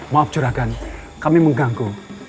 maaf curagan kami mengganggu